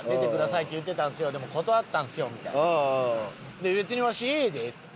で「別にわしええで」っつって。